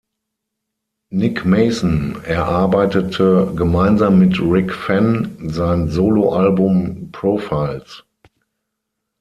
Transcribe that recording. Nick Mason erarbeitete gemeinsam mit Rick Fenn sein Soloalbum "Profiles".